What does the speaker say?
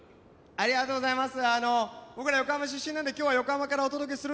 ありがとうございます。